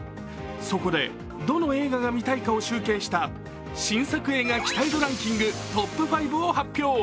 そこで、どの映画が見たいかを集計した、新作映画期待度ランキングトップ５を発表。